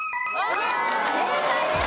正解です。